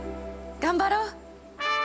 頑張ろう！